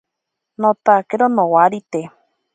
Notakero nowarite.